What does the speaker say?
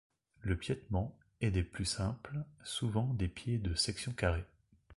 Le piètement est des plus simples, souvent des pieds de section carrée.